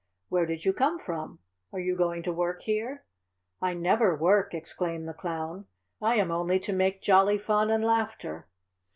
Where did you come from? Are you going to work here?" "I never work!" exclaimed the Clown. "I am only to make jolly fun and laughter."